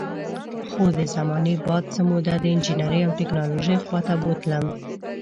خو د زمانې باد څه موده د انجینرۍ او ټیکنالوژۍ خوا ته بوتلم